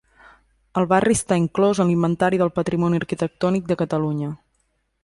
El barri està inclòs en l'Inventari del Patrimoni Arquitectònic de Catalunya.